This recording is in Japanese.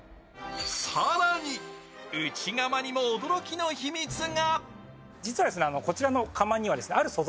更に、内釜にも驚きの秘密が。